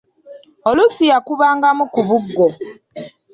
Oluusi yakubangamu ku buggo.